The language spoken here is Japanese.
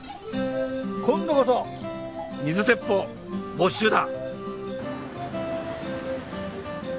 今度こそ水鉄砲没収だ。